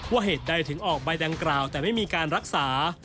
เหตุใดถึงออกใบดังกล่าวแต่ไม่มีการรักษา